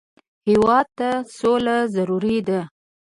هېواد ته سوله ضروري ده